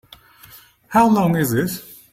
How long is it?